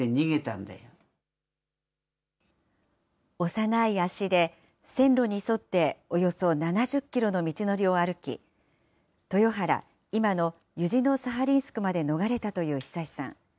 幼い足で、線路に沿っておよそ７０キロの道のりを歩き、豊原、今のユジノサハリンスクまで逃れたという恒さん。